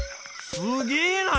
すげえな！